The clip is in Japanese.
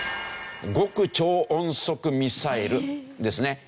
極超音速ミサイルですね。